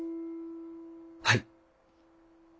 はい。